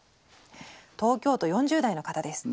東京都４０代の方です。